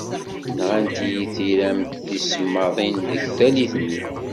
Nɣant-iyi tiram tisemmaḍin deg tallit-nni.